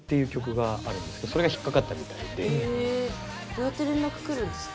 どうやって連絡来るんですか？